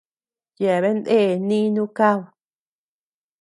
Yeabean ndee nínu kad.